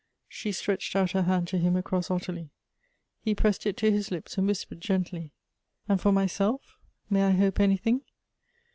She stretched out her hand to him across Ottilie. He pressed it to his lips, and whis pered gently: "And for myself, may I hope anything?"